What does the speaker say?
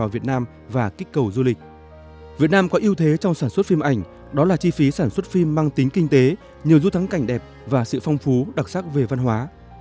việt nam có ưu thế trong sản xuất phim ảnh đó là chi phí sản xuất phim mang tính kinh tế nhiều du thắng cảnh đẹp và sự phong phú đặc sắc về văn hóa